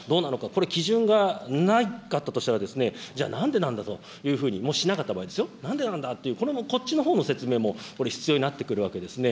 これ、基準がなかったとしたら、じゃあ、なんでなんだというふうに、もし、しなかった場合ですよ、なんでなんだという、これもこっちのほうの説明もこれ、必要になってくるわけですね。